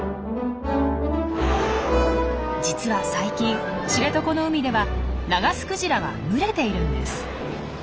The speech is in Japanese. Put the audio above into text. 実は最近知床の海ではナガスクジラが群れているんです。